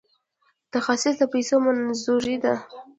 تخصیص د پیسو منظوري ده